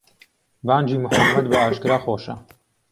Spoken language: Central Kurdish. بانگی موحەمەد بە ئاشکرا خۆشە